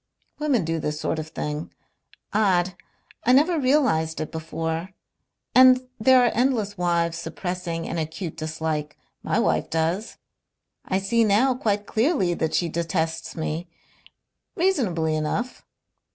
"Women do this sort of thing. Odd! I never realized it before. And there are endless wives suppressing an acute dislike. My wife does. I see now quite clearly that she detests me. Reasonably enough.